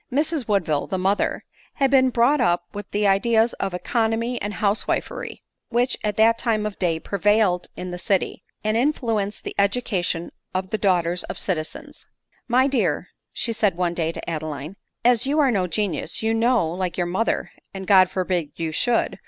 Mrs Woodville, the mother, had been brought up with all the ideas of economy and housewifery which at that time of day prevailed in the city, and influenced the edu cation of the daughters of citizens. " My dear," said she one day to Adeline, " as you are no genius, you know, like your mother, (and God forbid you should